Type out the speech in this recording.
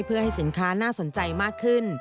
เพื่อให้สินค้าน่าสนใจมากขึ้น